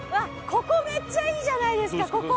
ここめっちゃいいじゃないですかここ！